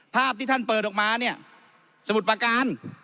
ภาพที่ท่านเปิดออกมาเนี่ยสมุทรประการ